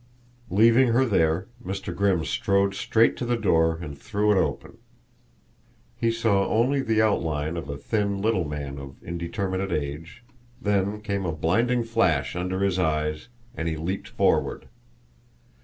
Leaving her there, Mr. Grimm strode straight to the door and threw it open. He saw only the outline of a thin little man of indeterminate age, then came a blinding flash under his eyes, and he leaped forward.